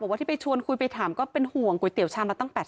ว่าที่ไปชวนคุยไปถามก็เป็นห่วงก๋วยเตี๋ชามมาตั้ง๘๐